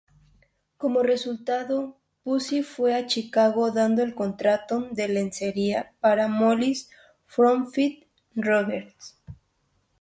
Como resultado, Pucci fue a Chicago dando el contrato de lencería para molinos FormFit-Rogers.